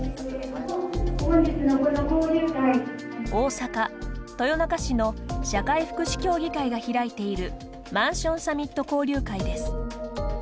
大阪・豊中市の社会福祉協議会が開いているマンションサミット交流会です。